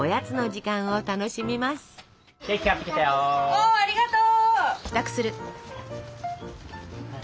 おありがとう。